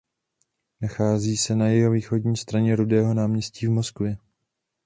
Nachází se na jihovýchodní straně Rudého náměstí v Moskvě.